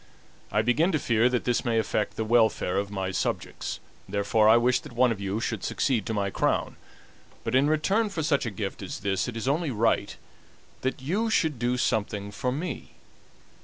I begin to fear that this may affect the welfare of my subjects, therefore I wish that one of you should succeed to my crown; but in return for such a gift as this it is only right that you should do something for me.